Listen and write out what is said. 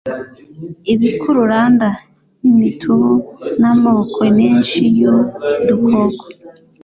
ibikururanda n'imitubu n'amoko menshi y'udukoko.